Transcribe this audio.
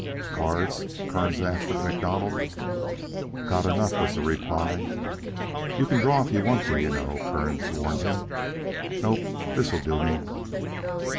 "Cards?" Kearns asked of MacDonald. "Got enough," was the reply. "You can draw if you want to, you know," Kearns warned him. "Nope; this'll do me."